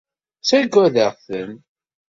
Ttagadeɣ-ten.